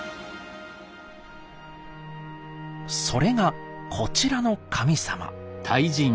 それがこちらの神様。